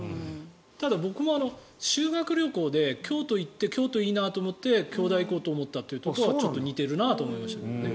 ただ、僕も修学旅行で京都、行って京都いいなと思って京大行こうと思ったというところがちょっと似ているなと思いましたけどね。